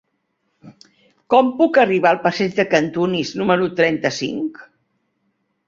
Com puc arribar al passeig de Cantunis número trenta-cinc?